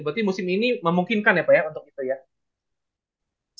berarti musim ini memungkinkan ya pak ya untuk itu ya